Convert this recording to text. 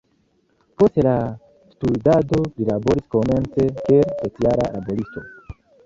Post la studado, li laboris komence kiel sociala laboristo.